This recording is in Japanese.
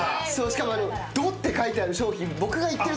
しかも「ド」って書いてある商品。